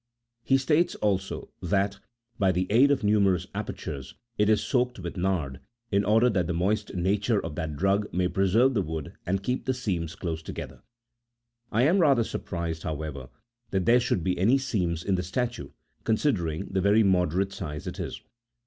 He states, also, that by the aid of numerous apertures, it is soaked with nard, in order that the moist nature of that drug may preserve the wood and keep the seams33 close together: Iain rather surprised, however, that there should be any seams m die statue, considering the very moderate size it is.